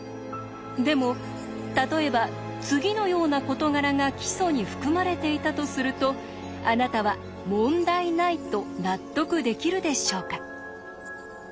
でも例えば次のような事柄が基礎に含まれていたとするとあなたは問題ないと納得できるでしょうか？